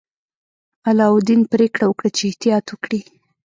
علاوالدین پریکړه وکړه چې احتیاط وکړي.